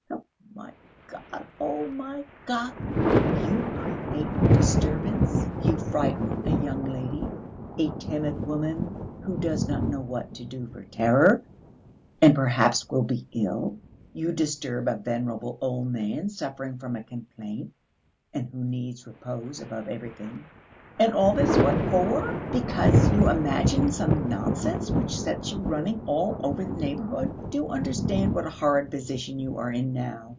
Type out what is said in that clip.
"Oh, my God oh, my God!" "You create a disturbance, you frighten a young lady, a timid woman who does not know what to do for terror, and perhaps will be ill; you disturb a venerable old man suffering from a complaint and who needs repose above everything and all this what for? Because you imagine some nonsense which sets you running all over the neighbourhood! Do you understand what a horrid position you are in now?"